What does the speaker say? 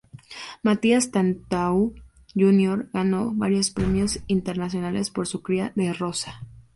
Mathias Tantau júnior ganó varios premios internacionales por su cría de rosa.